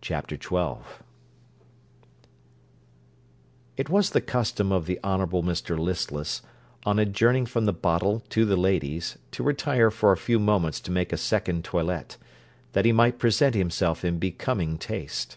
CHAPTER XII It was the custom of the Honourable Mr Listless, on adjourning from the bottle to the ladies, to retire for a few moments to make a second toilette, that he might present himself in becoming taste.